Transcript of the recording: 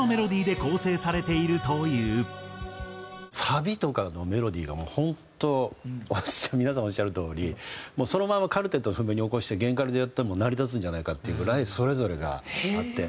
サビとかのメロディーがもう本当皆さんおっしゃるとおりそのままカルテットを譜面に起こして弦カルでやっても成り立つんじゃないかっていうぐらいそれぞれがあって。